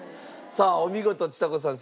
さあお見事ちさ子さん